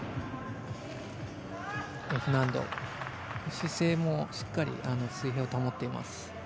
姿勢もしっかり水平を保っています。